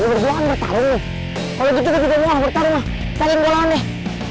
gue bersyukur kan bertarung nih kalo gitu gue juga mau lah bertarung lah cari yang gue lawan deh